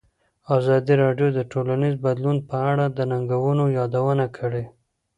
ازادي راډیو د ټولنیز بدلون په اړه د ننګونو یادونه کړې.